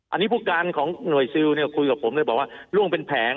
อันนี้ผู้การของหน่วยซิลเนี่ยคุยกับผมเลยบอกว่าล่วงเป็นแผง